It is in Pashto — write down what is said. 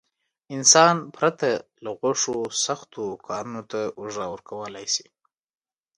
انسان پرته له غوښو سختو کارونو ته اوږه ورکولای شي.